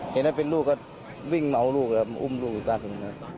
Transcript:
เห็นนั้นเป็นลูกก็วิ่งเอาลูกอุ้มลูกอยู่ใต้ตรงนั้น